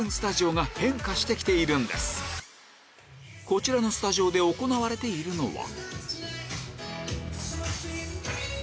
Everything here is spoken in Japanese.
こちらのスタジオで行われているのは